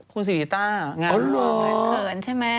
คุณศรีริต้าเหรองานนั้นเขินใช่ไหมอ๋อเหรอ